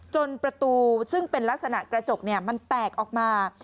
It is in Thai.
ประตูซึ่งเป็นลักษณะกระจกมันแตกออกมา